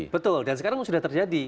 betul dan sekarang sudah terjadi